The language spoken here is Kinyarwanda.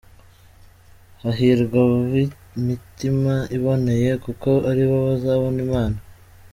Hahirwa ab’imitima iboneye kuko aribo bazabona Imana.